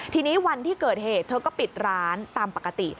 ทีนี้วันที่เกิดเหตุเธอก็ปิดร้านตามปกติ